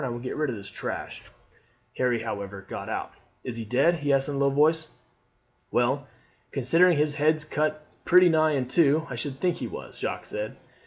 I will get rid of this trash." Harry, however, got out. "Is he dead?" he asked in a low voice. "Well, considering his head's cut pretty nigh in two, I should think he was," Jacques said.